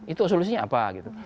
itu solusinya apa gitu